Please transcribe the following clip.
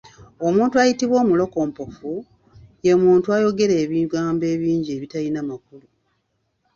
Omuntu ayitibwa omulokompofu, ye muntu ayogera ebigambo ebingi ebitalina makulu.